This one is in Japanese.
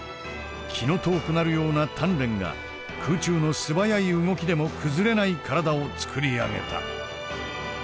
気の遠くなるような鍛錬が空中の素早い動きでも崩れない体をつくり上げた。